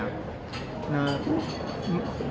nah ini adalah satu satunya